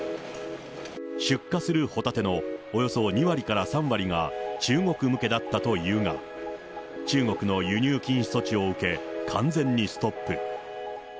出荷するホタテのおよそ２割から３割が中国向けだったというが、中国の輸入禁止措置を受け、完全にストップ。